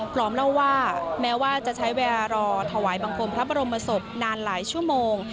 พร้อมเล่าว่าแม้ว่าจะใช้เวลารอถวายบังคมพระบรมศพนานหลายชั่วโมง